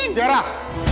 tidak ada apa apa